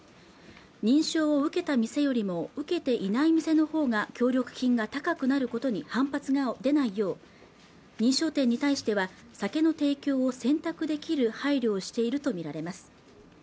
認証を受けた店よりも受けていない店の方が協力金が高くなることに反発が出ないよう認証店に対しては酒の提供を選択できる配慮をしていると見られます